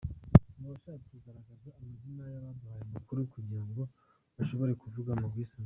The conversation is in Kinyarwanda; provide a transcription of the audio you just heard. Ntitwashatse kugaragaza amazina y’abaduhaye amakuru kugira ngo bashobore kuvuga mu bwisanzure.